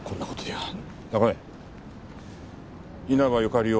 はい。